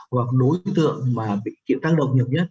hoặc đối tượng mà bị chịu tăng độc nhiều nhất